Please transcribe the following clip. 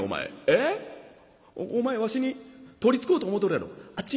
ええ？お前わしに取りつこうと思うとるやろ。